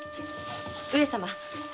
上様